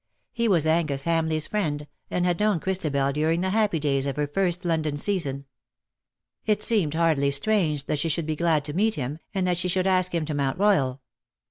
He was Angus Hamleigh's friend, and had known Christabel during the happy days of her first London season. It seemed hardly strange that she should be glad to meet him, and that she should ask him to Mount Royal.